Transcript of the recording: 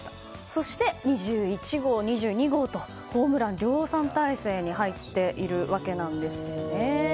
そして２１号、２２号とホームラン量産態勢に入っているわけなんですね。